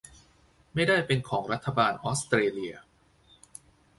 ไม่ได้เป็นของรัฐบาลออสเตรเลีย